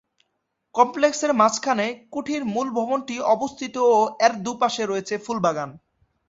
কমপ্লেক্সের মাঝখানে কুঠির মূল ভবনটি অবস্থিত ও এর দুপাশে রয়েছে ফুল বাগান।